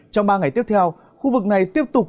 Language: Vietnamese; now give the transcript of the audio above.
trong ba ngày tiếp theo khu vực này tiếp tục